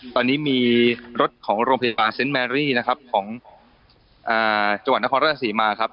ตอนนี้มีรถของโรงพยาบาลเซ็นต์แมรี่นะครับของจังหวัดนครราชศรีมาครับ